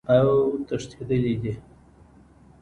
اوتښتیدلی دي